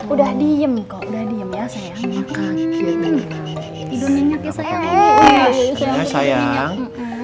udah diem kok udah diem ya sayang